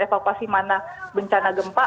evakuasi mana bencana gempa